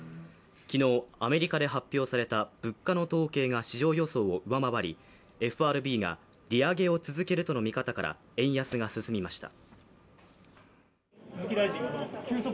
昨日、アメリカで発表された物価の統計が市場予想を上回り、ＦＲＢが利上げを続けるとの見方から円安が進みました。